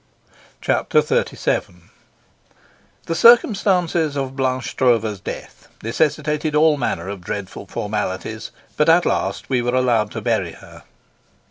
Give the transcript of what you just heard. Chapter XXXVII The circumstances of Blanche Stroeve's death necessitated all manner of dreadful formalities, but at last we were allowed to bury her.